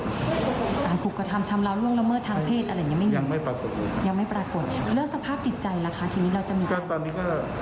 กระทับกระทับชำเหลาร่วงและเมื่อทางเพศอาหารยังมะเพราะว่ะเรื่องสภาพจิตใจละค่ะทีนี้เราจะตอนนี้ก็ตอนแรกก็จะมี